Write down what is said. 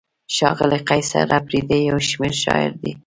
ښاغلی قیصر اپریدی یو شمېر شاعر دی.